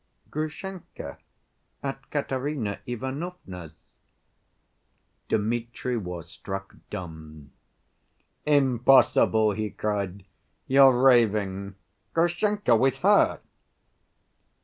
"Grushenka at Katerina Ivanovna's." Dmitri was struck dumb. "Impossible!" he cried. "You're raving! Grushenka with her?"